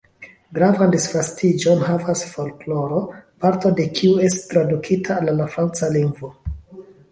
Gravan disvastiĝon havas folkloro, parto de kiu estis tradukita al la franca lingvo.